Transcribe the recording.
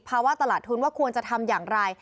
ภาวะตลาดทุนว่าควรจะทำอย่างไร